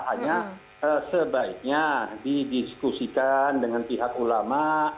hanya sebaiknya didiskusikan dengan pihak ulama